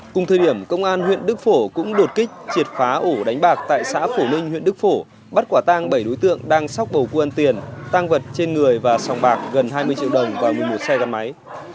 cùng thời điểm công an huyện đức phổ cũng đột kích triệt phá ổ đánh bạc tại xã phổ linh huyện đức phổ bắt quả tang bảy đối tượng đang sóc bầu cua tiền tăng vật trên người và sòng bạc gần hai mươi triệu đồng và một mươi một xe gắn máy